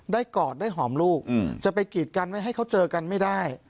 กอดได้หอมลูกจะไปกีดกันไม่ให้เขาเจอกันไม่ได้